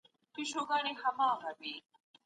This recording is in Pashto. پناه اخيستل د انسان شخصي حق دی.